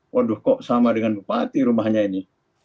waduh kok sama dengan bupati rumahnya ini